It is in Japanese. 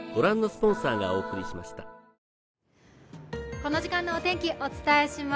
この時間のお天気、お伝えします